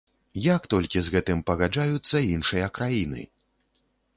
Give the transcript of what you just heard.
Як толькі з гэтым пагаджаюцца іншыя краіны?!